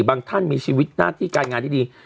บางท่านมีชีวิตน่าที่การงานดี